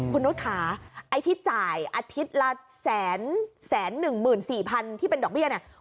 คุณนุษย์ค่ะไอ้ที่จ่ายอาทิตย์ละแสนแสนหนึ่งหมื่นสี่พันที่เป็นดอกเบี้ยเนี่ย